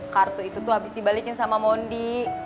kartu itu tuh habis dibalikin sama mondi